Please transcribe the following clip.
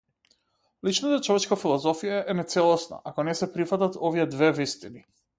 Личната човечка философија е нецелосна, ако не се прифатат овие две вистини.